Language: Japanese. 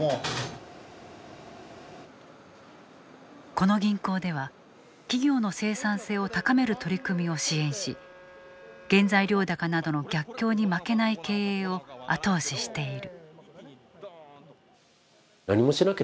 この銀行では企業の生産性を高める取り組みを支援し原材料高などの逆境に負けない経営を後押ししている。